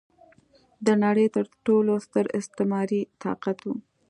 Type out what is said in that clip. د نړۍ تر ټولو ستر استعماري طاقت و.